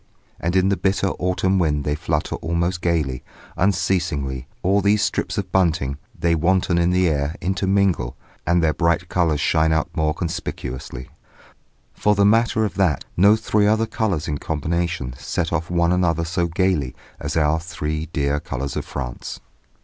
And in the bitter autumn wind they flutter almost gaily, unceasingly, all these strips of bunting, they wanton in the air, intermingle, and their bright colours shine out more conspicuously. For the matter of that, no three other colours in combination set off one another so gaily as our three dear colours of France.